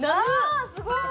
あすごい！